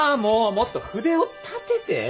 もっと筆を立てて！